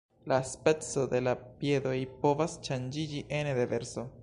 La speco de la piedoj povas ŝanĝiĝi ene de verso.